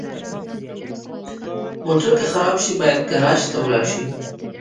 موټر که خراب شي، باید ګراج ته ولاړ شي.